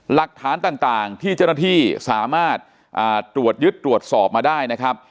หลักฐานต่างที่เจ้าหน้าที่สามารถตรวจยึดตรวจสอบมาได้นะครับ